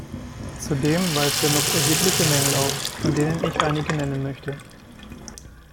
Zudem weist er noch erhebliche Mängel auf, von denen ich einige nennen möchte.